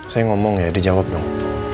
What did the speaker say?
ya dijawab dong